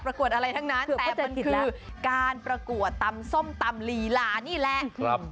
กวดอะไรทั้งนั้นแต่มันคือการประกวดตำส้มตำลีลานี่แหละ